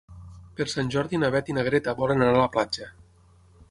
Per Sant Jordi na Beth i na Greta volen anar a la platja.